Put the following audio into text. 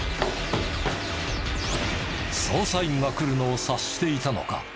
捜査員が来るのを察していたのか。